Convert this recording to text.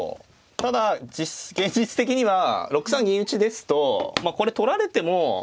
ただ現実的には６三銀打ですとこれ取られても勝ち目がないので。